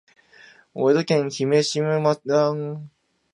大分県姫島村